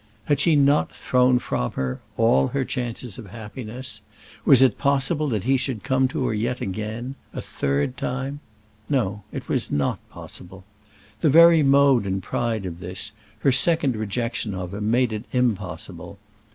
Had she not thrown from her all her chances of happiness? Was it possible that he should come to her yet again, a third time? No; it was not possible. The very mode and pride of this, her second rejection of him, made it impossible.